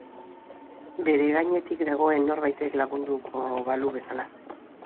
Bere gainetik dagoen norbaitek landuko balu bezala.